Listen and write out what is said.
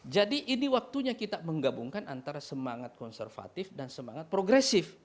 jadi ini waktunya kita menggabungkan antara semangat konservatif dan semangat progresif